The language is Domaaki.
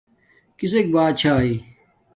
کسک باہ چھاݵ